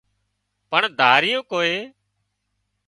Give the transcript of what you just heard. پڻ ڌاريون ڪوئي